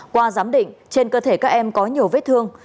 qua giám định trên cơ thể các em có nhiều vết thương